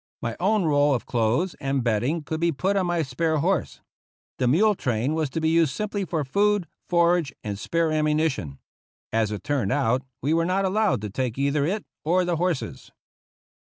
My own roll of clothes and bedding could be put on my spare horse. The mule train was to be used simply for food, forage, and spare ammunition. As it turned out, we were not al lowed to take either it or the horses.